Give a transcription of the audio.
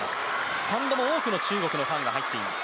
スタンドも多くの中国のファンが入っています。